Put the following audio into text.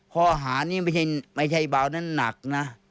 ข้อหานี้ไม่ใช่เบานั้นหนักนะ